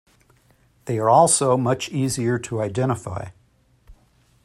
They are also much easier to identify.